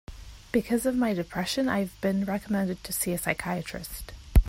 Because of my depression, I have been recommended to see a psychiatrist.